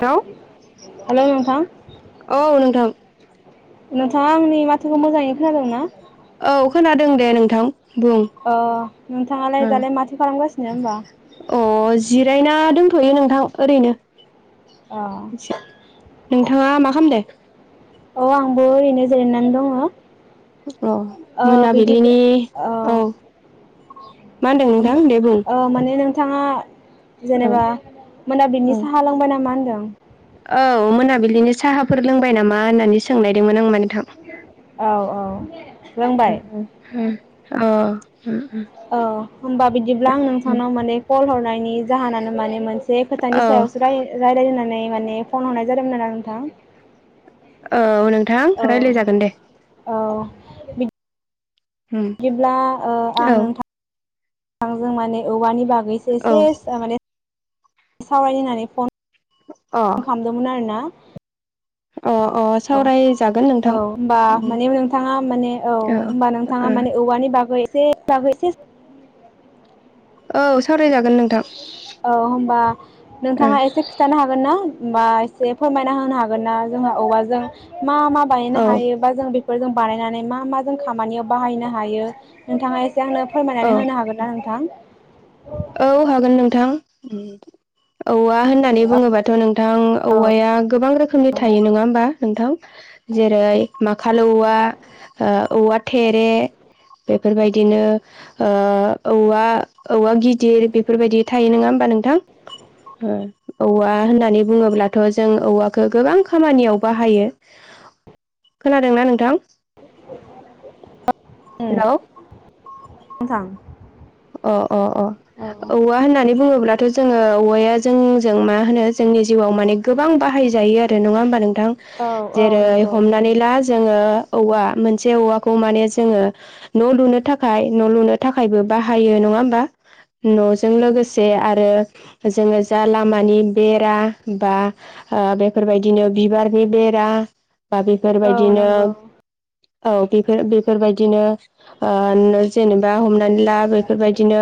Hello hello नोंथां औ नोंथां नोंथाङा आंनि माथोखौ मोजाङै खोनादोंना? दों दे नोंथां बुं अ नोंथाङालाय दालाय अ माथो खालामगासिनो होमबा? दंथ'यो नोंथां ओरैनो अ नोंथाङा मा खालामदो? अ आंबो ओरैनो जिरायनानै दङ। अ बिदिब्ला मोनाबिलिनि औ मा होनदों नोंथां दे बुं। थाङा औ जेनेबा मोनाबिलिनि औ साहा लोंबाय नामा होनदों? औ औ मोनाबिलिनि साहाफोर लोंबाय नामा होननानै सोंनायदोंमोन आं माने नोंथां औ औ लोंबाय। अ औ होमबा बिदिब्ला आं नोंथांनाव माने कल हरनायनि जाहोनानो माने मोनसे खोथानि औ सायावसो राय रायलाय होननानै नै माने फन हरनाय जादोंमोन आरो नोंथां। औ नोंथां रायलाय औ जागोन दे। औ बिदिब्ला ओ आं औ नोंथां थांजों माने औवानि बाग गैसो औ इसेस टामाने सावराय होनानै अ फन खामदोंमोन आरो ना अ औ सावरायजागोन नोंथां औ होनबा माने नोंथाङा माने औ होनबा नोंथाङा ओ माने औवानि बागै जे [unintelligible] औ सावरायजागोन नोंथां। औ होनबा नोंथाङा एसे खिन्थानो हागोन ना। होमबा एसे फोरमायना होनो हागोन ना जोंहा औवाजों मा-मा ओ बायनो औ हायो बा जों बे फोर जों बानायनानै मा-मा जों खामानियाव बाहायनो हायो नोंथाङा ए जोंहानो औ फोरमायनानै होनो हागोन ना नोंथां। औ हागोन नोंथां औवा वा होननानै बुङोबाथ' नोंथां औवाया गोबां रोखोमनि थायो नङा होमबा नोंथां जेरै माखाल औवा ओ औवा थेरे बेफोरबायदिनो ओ औवा-औवा गिद दिर बेफोरबायदि थायो नङा होमबा नोंथां ओ औवा होननानै बुङोब्लाथ' जों औवाखौ गोबां खामानियाव बाहायो। खोनादोंना नोंथां उम हेलौ [unintelligible] अ अ अ औ औवा होननानै बुङोब्लाथ' जोङो औवाया जोंजों मा होनो जोंनि जिउआव माने गोबां बाहायजायो आरो नङा होमबा नों थां औ औ जेरै नंगौ हमनानै ला जोङो औवा मोनसे औवाखौ माने जोङो न' लुनो थाखाय न' लुनो थाखायबो बाह हायो नङा होमबा न'जों लोगोसे आरो जोङो जा लामानि बेरा बा ओ बेफोरबायदिनो बिबारनि बेरा बा औ बेफोरबायदिनो नंगौ औ बेफोर बेफोरबायदिनो ओ नो जेनेबा हम ला बिदिनो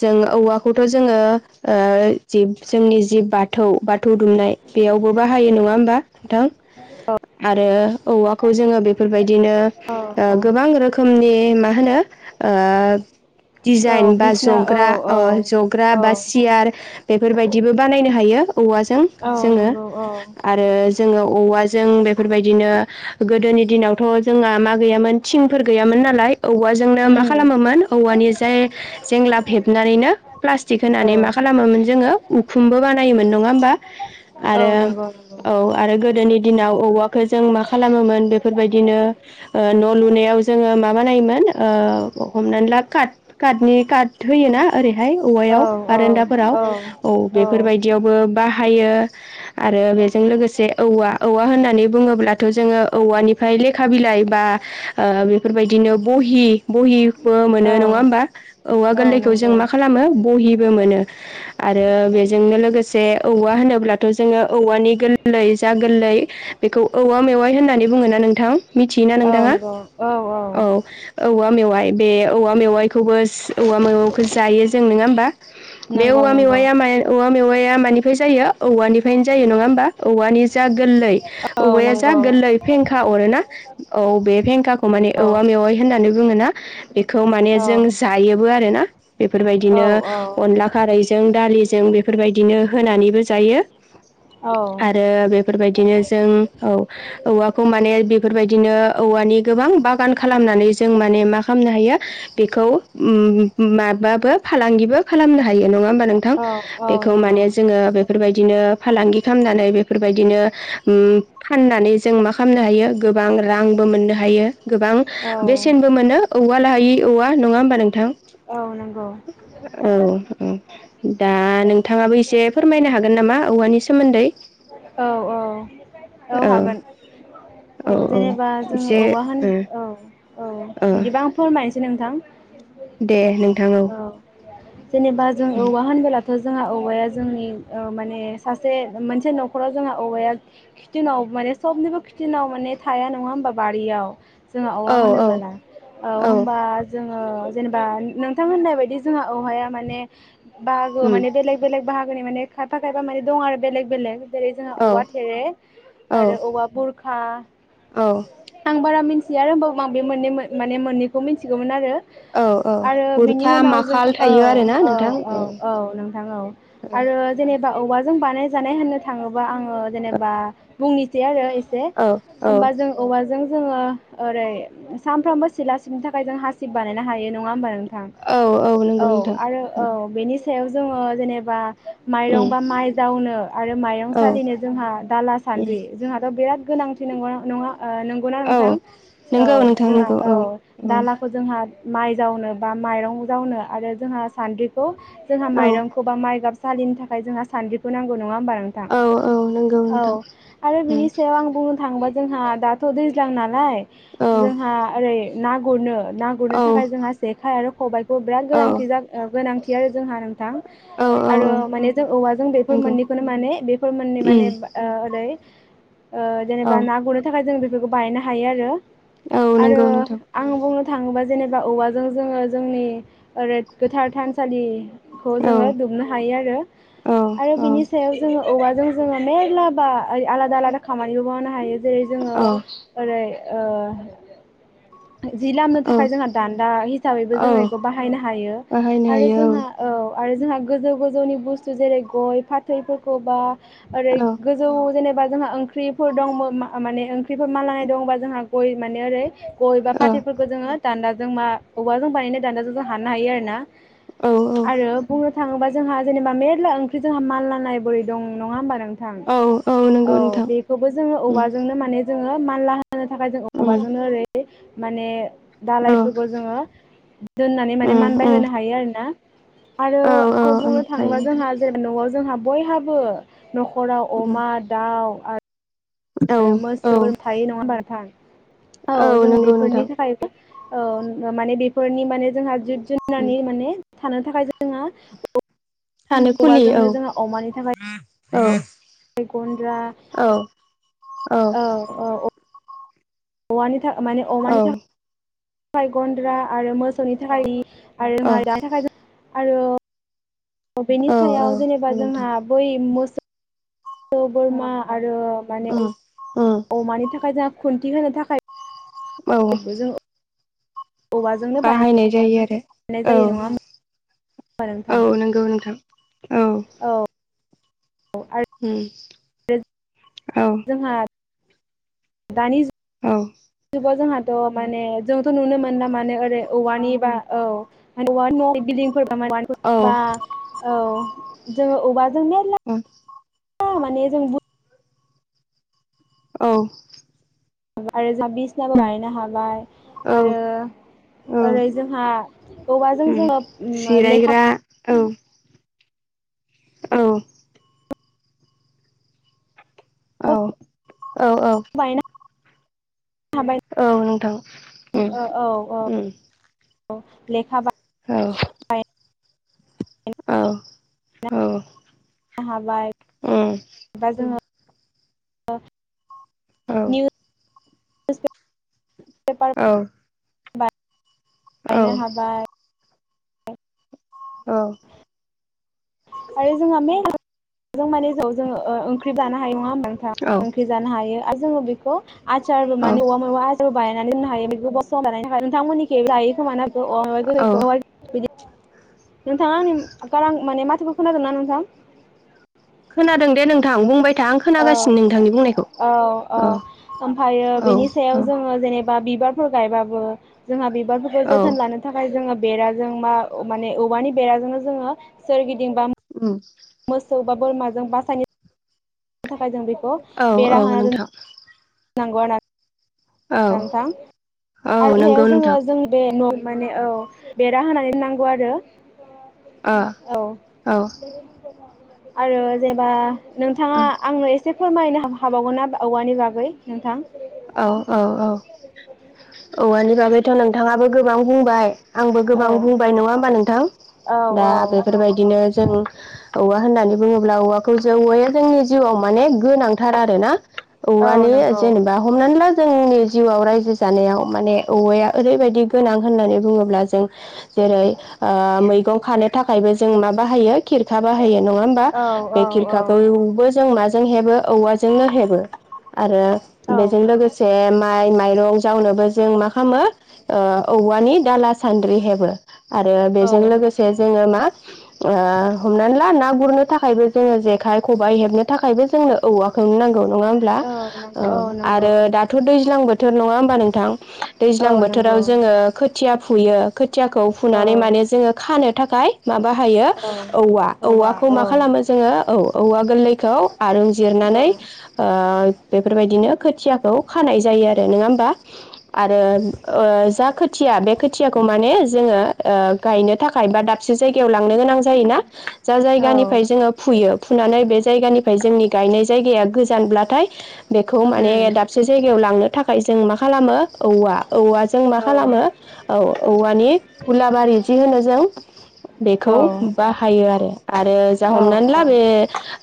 जों औवाखौथ' जोङो ओ जिब जोंनि जि बाथौ बाथौ दुमनाय बेयावबो बाहायो नङा होमबा नोंथां। आरो औवाखौ जोङो बेफोरबाय दिनो औ औ गोबां रो खोमनि मा होनो ओ औ दिजाइन बा बिसना औ जग्रा औ ओ जग्रा औ बा सियार बेफोरबायदिबो बानायनो हायो। औवाजों औ जोङो नंगौ औ आरो जोङो औवाजों बे फोरबायदिनो गोदोनि दिनावथ' जोंहा मा गैयामोन थिंफोर गैयामोन नालाय औवाजोंनो मा उम खालामोमोन औवानि जाय जेंला हेबनानैनो प्लास्टिक औ होनानै मा खालामोमोन जोङो उखुमबो बानायोमोन नङा होमबा। औ आरो नंगौ नंगौ औ आरो गोदोनि दिनाव औवाखौ जों मा खालामोमोन बेफोरबायदिनो ओ न' लुनायाव जोङो मााबानायोमोन ओ हमनानै ला काट कार्डनि कार्द होयोना ओरै हाय औ औवायाव औ बारान्दाफोराव औ बेफोरबायदियावबो बाहायो आरो बेजों लोगोसे औवा औवा होननानै बुङोब्लाथ' जोंङो औवानिफ्राय लेखा बिलाइ बा ओ बेफोरबायदिनो बहि बहिबो औ मोनो नंङा होम बा औवा औ गोरलैखौ जों नंगौ मा खालामो बहिबो मोनो आरो बेजोंनो लोगोसे औवा होनोब्लाथ' जोंङो औवानि गोरलै जा गोरलै बेखौ औवा मेवाय होननानै बुंङोना नोंथां। मिथियोना औ नोंथांङा नंगौ औ औ औवा मेवाइ बे औवा मेवाइ खौबो औवा मेवायखौ जायो जों नोंङा होमबा। बे नंगौ औवा नंगौ मेवाइया माइ औवा मेवाइ या मानिफ्राय जायो औवानिफ्रायनो जायो नंङा होमबा औवानि जा गोरलै औ औवाया जा नंगौ गोरलै फें खा अरोना औ बे फेंखाखौ अ माने औ औवा मेवाय होननानै बुंङोना बेखौ औ जों जायो बो आरो ना। बेफोरबायदिनो अनला खारै जों दालि जों बेफोरबायदिनो होनानैबो जायो औ आरो बेफोरबायदिनो जों औ औवाखौ माने बेफोरबायदिनो औवानि गोबां बागान खालामनानै जों माने मा खालामनो हायो बेखौ ओम माबाबो फालांगिबो खालामनो हायो नंङा होमबा नोंथां औ बेखौ नंगौ माने जोंङो बेफोरबायदिनो फालांगि खालामनानै बेफोरबायदिनो ओम फाननानै जों मा खालामनो हायो गोबां रांबो मोननो हायो गोबां औ बेसेनबो मोनो औवा लायै औवा नंङा होमबा नोंथां? औ नोंगौ। औ औ दा नोंथांङाबो एसे फोरमायनो हागोन नामा औवानि सोमोन्दै? औ औ औ हागोन औ जेनेबा जोंङो एसे औवा होन ओ औ औ ओ बिदिबा आं फोरमायनो सै नोंथां। दे नोंथां औ [unintelligible] थ' जोंहा औवाया जोंनि ओ माने सासे मोनसे न' खराव जोंहा औवाया खिथिनाव माने सबनिबो खिथिनाव माने थाया नंङा होमबा बारियाव? जोंङो औवा औ औ होनोबोला औ होमबा जों ओ जेनेबा नोंथां होननाय बायदि जोंहा औहाया माने बागो उम माने बेलेग बेलेग बाहागोनि माने खायफा खायफा माने दं आरो बेलेग बेलेग जेरै जोंहा औ औवा थेरे औ आरो औवा बुर खा औ आं बारा मिन्थिया आरो होमबाबो आं बे मोननै मोन माने मोननैखौ मिन्थिगौमोन आरो औ औ आरो बिनि गुरखा उनाव जों माखाल औ थायो आरोना औ नोंथां औ औ नोंथां औ औ आरो जेने बा औवाजों बानायजानाय होन थाङो। बा आङो जेनेबा बुंनिसै आरो से औ औ होमबा जों औवाजों जोङो ओरै सामफ्रामबो सिला सिबनो थाखाय जों हासिब बानायनो हायो नङा होमबा [unintelligible] थां औ नंगौ औ नोंथां आरो औ बेनि सायाव जोङो जेनेबा। माइरं उम बा माइ जावनो आरो। मायरं औ सालिनो जोंहा दाला उम सानद्रि जोंहाथ' [unintelligible] गोनांथि नंगौना नङा। ओ नोंगौना औ नोंथां औ नंगौ नोंथां जोंहा नंगौ औ औ दालाखौ जोंहा माइ जावनो बा माइरं जावनो आरो जोंहा सान्द्रिखौ जोंहा औ माइरंखौ बा माइगाब सालिनो थाखाय जों सानद्रिखौ नांगौ नङा होमबा? औ औ नंगौ औ नोंथां आरो उम बिनि सायाव आं बुंनो थाङोबा जोंहा दाथ' दैज्लां नालाय औ जोंहा ओरै ना गुरनो ना गुरनो थाखाय जोंहा जेखाइ आरो खबाय खौ बिराद औ गोनांथि जागोन गोनांथि आरो जोंहा नोंथां औ औ आरो माने जों औवाजों बेफोर नंगौ मोननैखौनो उम माने [unintelligible] [unintelligible] ओ औ जेनेबा ना गुरनो थाखाय जों बे बेखौ बायनो हायो आरो। औ आरो नंगौ नोंथां आं बुंनो थाङोबा जेनेबा औवाजों जोङो जोंनि ओरै गोथार थानसालिखौ औ जोङो दुमनो हायो आरो। औ आरो बिनि औ सायाव औवाजों जोङो मेरला बा ओ आलादा आलादा खामानिबो मावनो हायो जेरै जोङो ओरै ओ जि लामनो औ औ थाखाय जोंहा दान्दा हिसाबैबो औ जोङो एखौ बाहायनो हायो। बाहायनो आरो हायो जोंहा औ आरो जोंहा गोजौ गोजौनि बुस्थु जेरै गय, फाथै खौबा ओरै औ गोजौ जेने बा जोंहा ओंख्रिफोर दं। बो माने बेफोर मानलानाय दंबा जोंहा गय माने एरै गय बा औ फाथैफोरखौ जोङो दान्दाजों बा औवाजों बानायनाय दान्दाजों जों हानो हायो आरो ना। औ आरो बुंनो थाङोबा जोंहा जेनेबा मेरला ओंख्रि जोंहा मानलानाय बोरै दं नङा होमबा नों थां औ औ नंगौ नोंथां बेखौबो जोङो उम औवाजोंनो माने जोङो मानला होनो थाखाय जों उम औवाजोंनो ओरै माने औ दालायफोरखौ जोङो दोननानै माने उम मानबाय उम होनो हायो आरोना। आरो औ औ बुंनो हायो थाङोबा नोंथां जोंहा जे न'आव जोंहा बयहाबो न'खराव उम अमा दाउ [unintelligible] औ आरो औ मोसौ [unintelligible] थायो नङा होनबा नोंथां? औ जों नंगौ बेफोरनि नोंथां थाखाय औ माने बेफोरनि माने जोंहा उम जिब उम जुनारनि माने थानो थाखाय जोङो थानो खुलि औ औवाजोंनो जोंङो अमानि थाखाय औ जेरै गन्द्रा औ औ औ औ औवानि माने औ अमानि था खाय गन्द्रा आरो मोसौनि थाखाय गलि आरो रोंङ औ दानि थाखाय आरो बेनि औ औ सायाव जेनेबा नोंथां जोंहा बै मोस सौ बोरमा आ रो माने उम उम अमानि थाखाय जों खुन्थि होनो थाखाय औ औवाजोंनो बाहायनाय जायो आरो बानायनाय औ जायो नङा होमबा नोंथां औ नंगौ नोंथां औ आरो हम औ जोंहा दानि जु औ गाव जोंहाथ' माने जोंथ' नुनो मोनला माने ओरै औवानि बा औ औवानि न' बिल्डिं फोर औ बा औ जोङो औवाजों मेरला माने जों औ आरो जों बिसनाबो बानायनो हाबाय। औ आरो औ ओरै जोंहा औवाजों उम जोङो ओ लेखा जिरायग्रा औ औ औ औ औ बानायनो हाबाय औ नोंथां उम औ उम औ लेखा बा औ बानायनो औ औ हाबाय उम [unintelligible] औ निउस पेपार औ बा- गायनो हाबाय। औ आरो जोंहा [unintelligible] माने जाव जोङो ओंख्रिबो जानो हायो नङा हो- नोंथां औ ओंख्रि जानो हायो आ- जोङो बेखौ आचार औ माने औवा मेवा बायनानै दोननो हायो बेखौ बस्थ बानायनो थाखाय नोंथांमोननिखै लायो खोमा ना? [unintelligible] बिदि। नोंथां आंनि गारां आ माने मा- खो खोनादोंना नोंथां? खोनादों दे नोंथां बुंबाय- था आं औ खोनागासिनो नोंथांनि बुंनायखौ औ औ ओमफायो औ बेनि औ सायाव जोङो जेनेब- बा बिबारफोर गायबाबो जोंहा बे- बिबारफोरखौ औ जोथोन लानो थाखाय जोङो बेराजोंबा माने औवानि बेराजोंनो जोङो सोरगिदिं बेंबानो उम बा बोरमाजों बासायनो थाखाय जों बे औ औ नोंथां नांगौ आरना औ नोंथां औ आरो सायाव नंगौ नोंथां जोङो जों बे न' माने औ बेरा होनानै नांगौ आरो ओ औ औ आरो जेनबा नोंथाङा औ आंनो ए एसे फोरमायनो हाबावगोन ना औवानि बागै नोंथां औ औ औ औवानि बागैथ' नोंथाङाबो गोबां बुंबाय आंबो औ गोबां बुंबाय नङा होमबा नोंथां औ दा बेफोरबायदिनो जों औवा होननानै बुङोब्ला औवाखौ जों औवाया जोंनि जिउआव माने गोनांथार आरोना औ औवानि नोंगौ जेनेबा हमनानै ला जोंनि जिउआव रायजो जानायाव माने औवाया ओरैबायदि गोनां होननानै बुङोब्ला जों जेरै ओ मैगं खानो थाखायबो जों मा बाहायो खिरखा बाहायो नङा होमबा औ औ बे औ खिरखाखौबो जों माजों हेबो औवाजोंनो हेबो आरो औ बेजों लोगोसे मा माइ माइरं जावनोबो जों मा खालामो औवानि दाला सान्द्रि हेबो आरो औ बेजों लोगोसे जोङो मा ओ हमनानै ला ना गुरनो थाखायबो जोङो जेखाइ खबाइ हेबनो थाखायबो जोंनो औवाखौनो नांगौ औ नङा होमब्ला औ नंगौ औ ओ नंगौ आरो दाथ दैज्लां बोथोर नङा होमबा नोंथां औ दैज्लां नंगौ बोथोराव जोङो खोथिया फुयो खोथियाखौ औ फुनानै माने जोङो खानो थाखाय माब बाहायो औ औवा औवाखौ मा खालामो जोङो औ औवा गोरलैखौ आरुं औ जिरनानै बेफोरबायदिनो खौ खानाय जायो आरो नङा होमबा आरो ओ जा खोथिया बे खोथियाखौ माने जोङो ओ गायनो थाखाय बा दाबसे जायगायाव लांनो गोनां जायोना जा औ जायगानिफ्राय जोङो फुयो फुनानै बे जायगानिफ्राय जोंनि गायनाय जायगाया गोजानब्लाथाय बे उम माने दाबसे जायगायाव लांनो थाखाय जों मा खालामो औवा औव जों मा औ खालामो औ औवानि हुलाबारि जि होनो जों औ बेखौ बाहायो आरो आरो जा औ हमनानै ला बे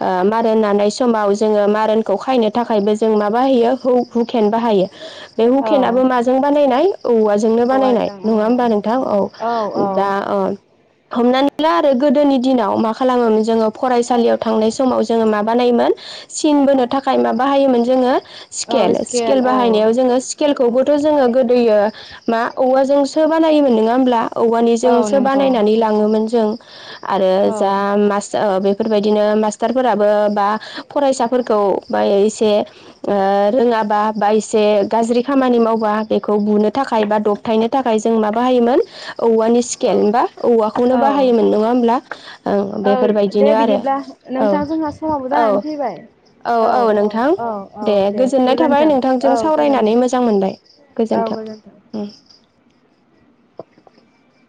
ओ मारोन नानाय समाव जोङो मारोनखौ खायनो थाखायबो जों माबा बाहयो [unintelligible] हुकेन बाहायो बे हुकेनाबो माजों बानायनाय औवाजोंनो बानायनाय औवाजों नङा होमबा नोंथां औ दा अ हमनानै ला आरो गोदोनि दिनाव मा खालामोमोन जोङो फरायसालियाव थांनाय समाव जोङो माबानायोमोन सिन बोनो थाखाय माबाहायोमोन जोङो औ स्केल स्केल औ बाहायनायाव जोङो स्केलखौबोथ जोङो गोदोयो मा औवाजोंसो बानायोमोन नङा होमब्ला औ औवानिजोंसो नंगौ बानायनानै लाङोमोन जों आरो औ जा [unintelligible] बे बेफोरबायदिनो मास्टारफोराबो बा फरायसाफोरखौ बा एसे ओ रोङाबा बा एसे गाज्रि खामानि मावबा बेखौ बुनो थाखाय बा दबथायनो थाखाय जों माबााहायोमोन औवानि स्केल होमबा औवाखौनो औ बाहायोमोन नङा होमब्ला ओं औ दे बेफोरबायदिनो आरो बिदिब्ला औ नोंथां जोंहा समाबो औ जानानै फैबाय औ औ नोंथां औ औ दे गोजोननाय थाबाय गोजोन्थों औ नोंथांजों सावरायनानै गोजोन्थों मोजां मोनबाय औ गोजोनथों गोजोन्थों उम [inaudible]